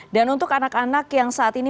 dan untuk anak anak yang saat ini